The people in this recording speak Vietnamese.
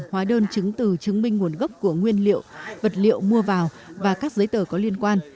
hóa đơn chứng từ chứng minh nguồn gốc của nguyên liệu vật liệu mua vào và các giấy tờ có liên quan